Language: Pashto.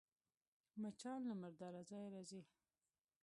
مچان له مرداره ځایه راځي